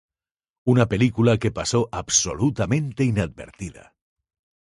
Una película que pasó absolutamente inadvertida.